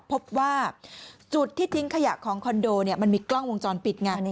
พบว่าจุดที่ทิ้งขยะของคอนโดมันมีกล้องวงจรปิดไง